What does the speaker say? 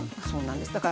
そうなんです。